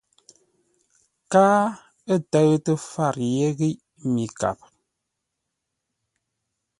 Káa ə̂ tə́ʉtə́ fárə yé ghíʼ mi kap.